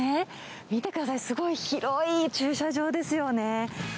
見てください、すごい広い駐車場ですよね。